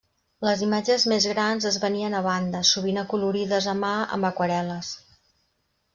Les imatges més grans es venien a banda, sovint acolorides a mà amb aquarel·les.